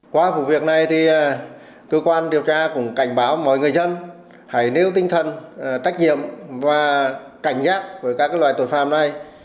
qua vụ việc này thì cơ quan điều tra cũng cảnh báo mọi người dân hãy níu tinh thần tách nhiệm và cảnh giác của các loài tội phạm này